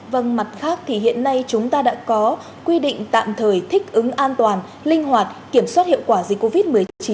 vâng mặt khác thì hiện nay chúng ta đã có quy định tạm thời thích ứng an toàn linh hoạt kiểm soát hiệu quả dịch covid một mươi chín